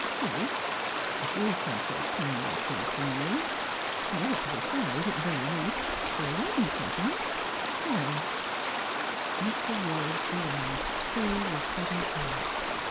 So if you'll take a pound or two from me — it ought to be five at the very least — fer a weddin' present, why —!" Miss Philura's blue eyes filled with sud den tears.